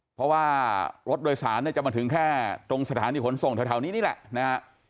เพราะว่ารถโดยสารเนี่ยจะมาถึงแค่ตรงสถานีขนส่งแถวนี้นี่แหละนะฮะ